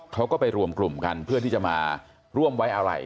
เขาก็ไปรวมกลุ่มกันเพื่อที่จะมาร่วมไว้อะไร